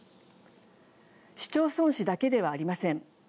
市町村史だけではありません。